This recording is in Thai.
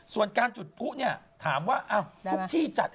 ส่วนการจุดผู้เนี่ยถามว่าทุกที่จัด